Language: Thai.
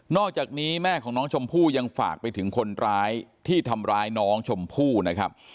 อกจากนี้แม่ของน้องชมพู่ยังฝากไปถึงคนร้ายที่ทำร้ายน้องชมพู่นะครับ